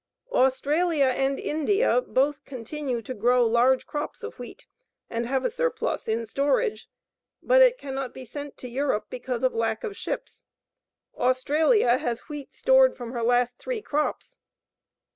Australia and India both continue to grow large crops of wheat, and have a surplus in storage, but it cannot be sent to Europe because of lack of ships. Australia has wheat stored from her last three crops.